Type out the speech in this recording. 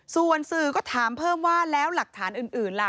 ส่วนสื่อก็ถามเพิ่มว่าแล้วหลักฐานอื่นล่ะ